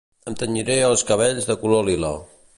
Em tenyiré els cabells de color lila